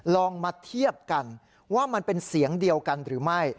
ลองมาเทียบกันว่ามันเป็นเสียงเดียวกันหรือไม่